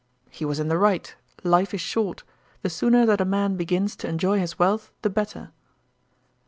'He was in the right. Life is short. The sooner that a man begins to enjoy his wealth the better.'